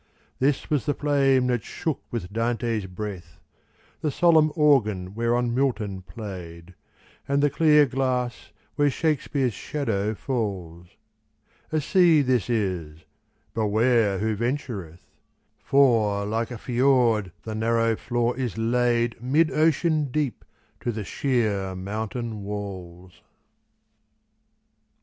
This was the flame that shook with Dante's breath ; The solenm organ whereon Milton played, And the clear glass where Shakespeare's shadow falls : A sea this is — beware who ventureth I For like a fjord the narrow floor b laid Mid ocean deep to the sheer mountain walls.